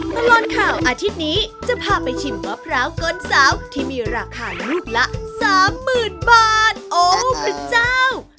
ตลอดข่าวอาทิตย์นี้จะพาไปชิมมะพร้าวก้นสาวที่มีราคาลูกละสามหมื่นบาทโอ้พระเจ้า